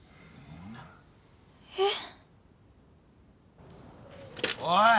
えっ？おい！